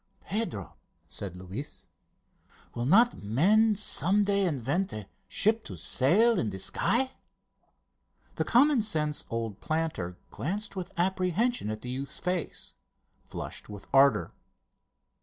"Pedro," said Luis, "will not men some day invent a ship to sail in the sky?" The common sense old planter glanced with apprehension at the youth's face, flushed with ardour.